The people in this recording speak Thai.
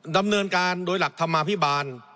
ดำเนินการโดยหลักธรรมาภิบาล